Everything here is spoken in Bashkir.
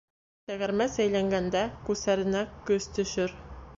Тәгәрмәс әйләнгәндә, күсәренә көс төшөр.